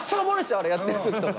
あれやってる時とか。